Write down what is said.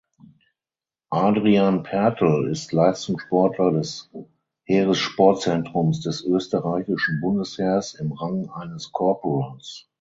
Adrian Pertl ist Leistungssportler des Heeressportzentrums des Österreichischen Bundesheers im Rang eines Korporals.